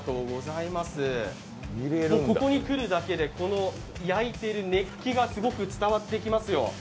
ここに来るだけで焼いている熱気が伝わってきます。